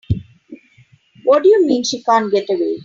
What do you mean she can't get away?